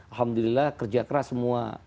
alhamdulillah kerja keras semua